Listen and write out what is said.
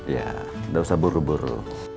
ya nggak usah buru buru